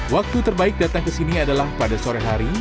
waktu terbaik datang ke sini adalah pada sore hari